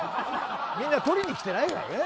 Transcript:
みんな取りに来てないからね。